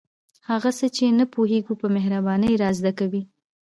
هغه څه چې نه پوهیږو په مهربانۍ را زده کوي.